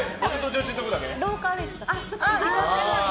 廊下歩いてた。